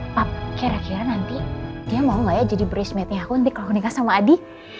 pap kira kira nanti dia mau gak jadi bro ismatnya aku nanti kalau nikah sama adi